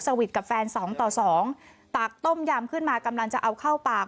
วิทย์กับแฟนสองต่อสองตากต้มยำขึ้นมากำลังจะเอาเข้าปาก